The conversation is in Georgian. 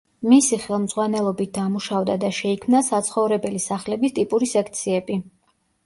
მისი ხელმძღვანელობით დამუშავდა და შეიქმნა საცხოვრებელი სახლების ტიპური სექციები.